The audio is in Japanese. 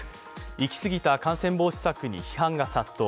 行き過ぎた感染防止策に批判が殺到。